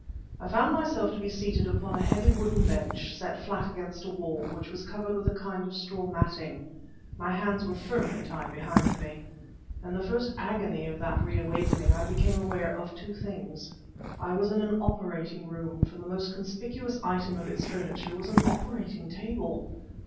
I found myself to be seated upon a heavy wooden bench set flat against a wall, which was covered with a kind of straw matting. My hands were firmly tied behind me. In the first agony of that reawakening I became aware of two things. I was in an operating room, for the most conspicuous item of its furniture was an operating table!